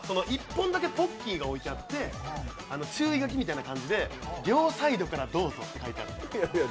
１本だけポッキーが置いてあって、注意書きが書いてあって、両サイドからどうぞって書いてある。